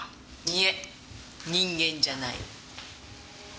いえ人間じゃない。